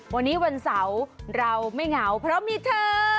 วันนี้วันเสาร์เราไม่เหงาเพราะมีเธอ